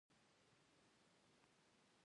دوستي تل په مینه او صداقت ولاړه وي.